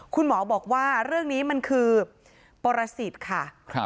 คุณหมอบอกว่าเรื่องนี้มันคือปรสิทธิ์ค่ะ